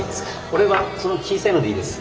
俺はその小さいのでいいです。